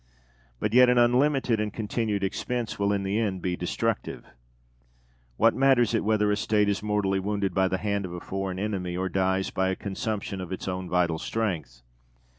But yet an unlimited and continued expense will in the end be destructive. What matters it whether a State is mortally wounded by the hand of a foreign enemy, or dies by a consumption of its own vital strength?